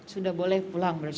sudah boleh pulang berarti